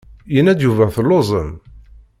Yenna-d Yuba telluẓem.